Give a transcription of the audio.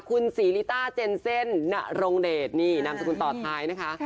คุณศรีลิต้าเจนเซ่นนรงเดชนี่นามสกุลต่อท้ายนะคะ